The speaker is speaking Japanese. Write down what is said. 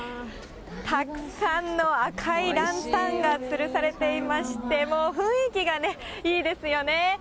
たくさんの赤いランタンがつるされていまして、もう雰囲気がね、いいですよね。